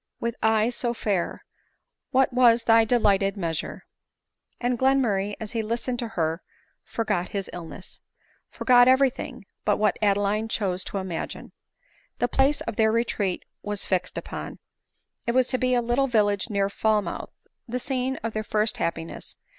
with eyes bo fair, What was thy delighted measure !" and Glenmurray, as he listened to her, forgot bis illness ; 120 ADELINE MOWBRAY. forgot every thing, but what Adeline chose to impgine. The place of their retreat was fixed upon. It was to be a little village near Falmouth, the scene of their first hap piness.